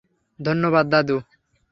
ধন্যবাদ, দাদু!